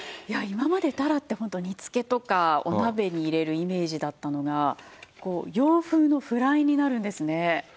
いや今までタラってホント煮付けとかお鍋に入れるイメージだったのがこう洋風のフライになるんですね。